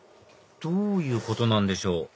どういうことなんでしょう？